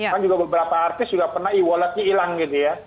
kan juga beberapa artis juga pernah e walletnya hilang gitu ya